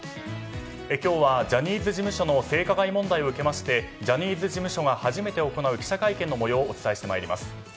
今日はジャニーズ事務所の性加害問題を受けましてジャニーズ事務所が初めて行う記者会見の模様をお伝えしてまいります。